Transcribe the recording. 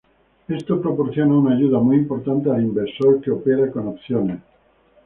Esto proporciona una ayuda muy importante al inversor que opera con opciones.